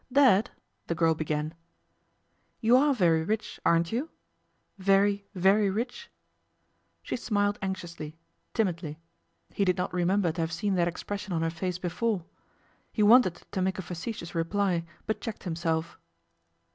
'Dad,' the girl began, 'you are very rich, aren't you? very, very rich?' She smiled anxiously, timidly. He did not remember to have seen that expression on her face before. He wanted to make a facetious reply, but checked himself.